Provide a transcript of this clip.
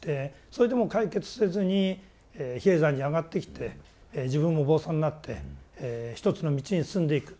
それでも解決せずに比叡山に上がってきて自分もお坊さんになって一つの道に進んでいく。